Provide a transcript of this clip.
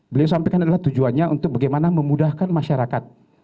beliau sampaikan adalah tujuannya untuk bagaimana memudahkan masyarakat